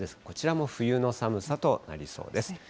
こちらも冬の寒さとなりそうです。